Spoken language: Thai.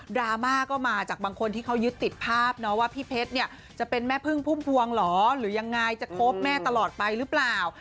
ราม่าก็มาจากบางคนที่เขายึดติดภาพเนาะว่าพี่เพชรเนี่ยจะเป็นแม่พึ่งพุ่มพวงเหรอหรือยังไงจะคบแม่ตลอดไปหรือเปล่า